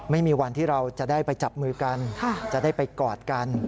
ไม่มีวันที่เราจะได้ไปจับมือกันจะได้ไปกอดกัน